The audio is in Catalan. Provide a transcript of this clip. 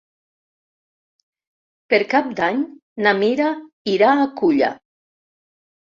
Per Cap d'Any na Mira irà a Culla.